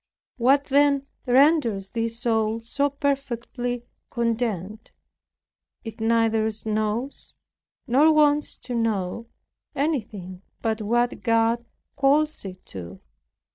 What, then, renders this soul so perfectly content? It neither knows, nor wants to know, anything but what God calls it to.